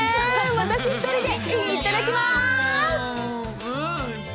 私１人で、いただきまーす！